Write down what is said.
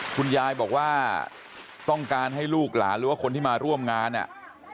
คุณยายบอกว่าต้องการให้ลูกหลานหรือว่าคนที่มาร่วมงานเนี่ย